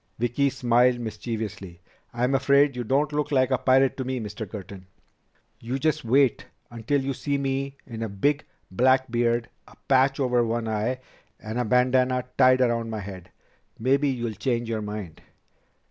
Vicki smiled mischievously. "I'm afraid you don't look like a pirate to me, Mr. Curtin." "You just wait until you see me in a big, black beard, a patch over one eye, and a bandanna tied around my head. Maybe you'll change your mind."